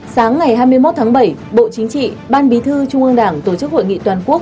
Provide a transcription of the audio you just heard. sáng ngày hai mươi một tháng bảy bộ chính trị ban bí thư trung ương đảng tổ chức hội nghị toàn quốc